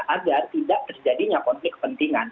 agar tidak terjadinya konflik kepentingan